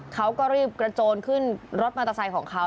เขาก็รีบกระโจนขึ้นรถมอเตอร์ไซค์ของเขา